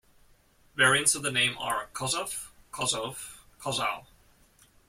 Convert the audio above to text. Variants of the name are Kossov, Kosov, Kossow.